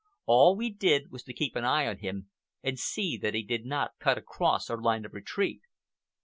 All we did was to keep an eye on him and see that he did not cut across our line of retreat.